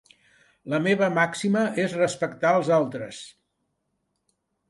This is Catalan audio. La meva màxima és respectar els altres.